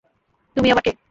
তুমি আবার কে?